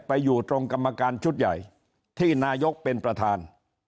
ไปอยู่ตรงกรรมการชุดใหญ่ที่นายกเป็นประธาน